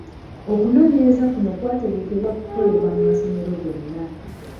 Okunoonyereza kuno kwategekebwa kukolebwe mu masomero gonna.